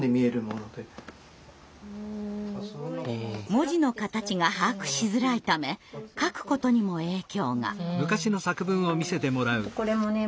文字の形が把握しづらいため書くことにも影響が。